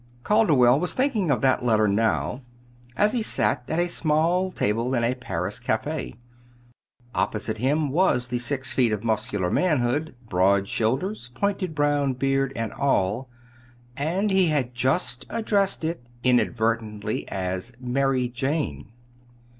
Calderwell was thinking of that letter now, as he sat at a small table in a Paris café. Opposite him was the six feet of muscular manhood, broad shoulders, pointed brown beard, and all and he had just addressed it, inadvertently, as "Mary Jane."